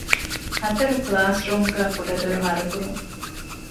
ހަތަރު ކްލާސްރޫމްގައި ކުޑަދޮރު ހަރުކުރުން